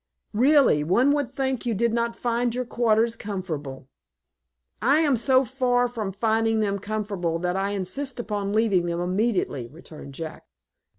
"Really, one would think you did not find your quarters comfortable." "I am so far from finding them comfortable that I insist upon leaving them immediately," returned Jack.